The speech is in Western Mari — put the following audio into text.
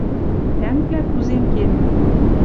Тӓнгвлӓ кузен кенӹт